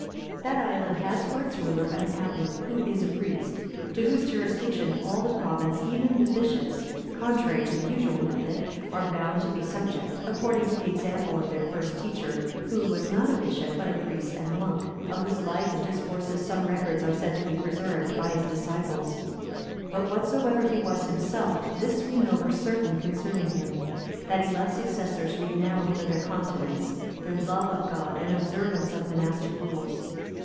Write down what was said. That island has for its ruler an abbot, who is a priest, to whose jurisdiction all the province, and even the bishops, contrary to the usual method, are bound to be subject, according to the example of their first teacher, who was not a bishop, but a priest and monk;(307) of whose life and discourses some records are said to be preserved by his disciples. But whatsoever he was himself, this we know for certain concerning him, that he left successors renowned for their continence, their love of God, and observance of monastic rules.